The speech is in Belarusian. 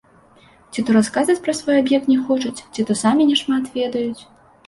Ці то расказваць пра свой аб'ект не хочуць, ці то самі няшмат ведаюць.